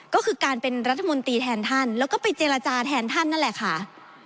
ก็คือการเป็นรัฐมนตรีแทนท่านแล้วก็ไปเจรจาแทนท่านนั่นแหละค่ะ